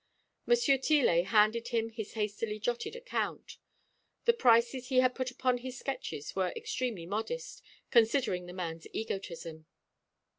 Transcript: Monsieur Tillet handed him his hastily jotted account. The prices he had put upon his sketches were extremely modest, considering the man's egotism.